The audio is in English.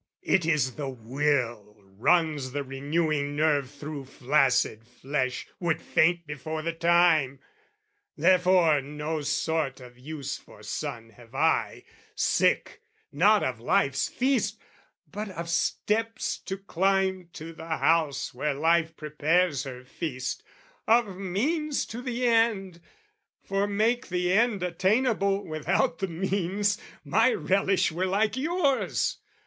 It is the will runs the renewing nerve Through flaccid flesh, would faint before the time. Therefore no sort of use for son have I Sick, not of life's feast but of steps to climb To the house where life prepares her feast, of means To the end: for make the end attainable Without the means, my relish were like yours.